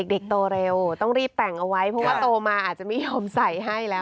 โตเร็วต้องรีบแต่งเอาไว้เพราะว่าโตมาอาจจะไม่ยอมใส่ให้แล้ว